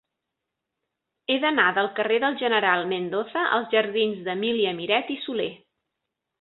He d'anar del carrer del General Mendoza als jardins d'Emília Miret i Soler.